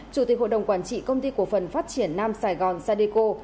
chủ tịch hội đồng quản trị công ty cổ phần phát triển nam sài gòn sadeco